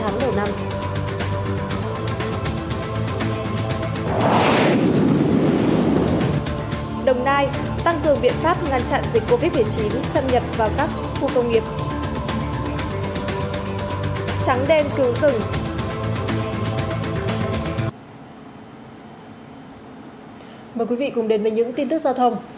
mời quý vị cùng đến với những tin tức giao thông